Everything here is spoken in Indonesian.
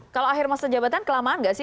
kalau akhir masa jabatan kelamaan nggak sih